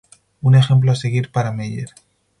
Un ejemplo a seguir para Meyer.